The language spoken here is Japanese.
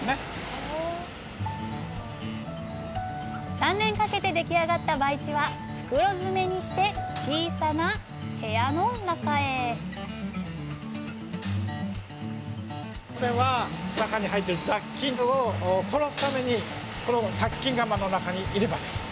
３年かけて出来上がった培地は袋詰めにして小さな部屋の中へこれは中に入ってる雑菌を殺すためにこの殺菌釜の中に入れます。